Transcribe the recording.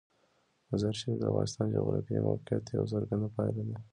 مزارشریف د افغانستان د جغرافیایي موقیعت یوه څرګنده پایله ده.